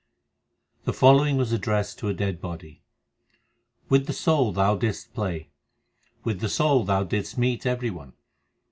The following was addressed to a dead body : With the soul thou didst play. With the soul thou didst meet every one.